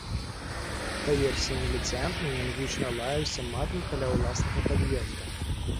Па версіі міліцыянтаў, ён гучна лаяўся матам каля ўласнага пад'езда.